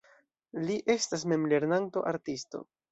Li estas memlernanto artisto.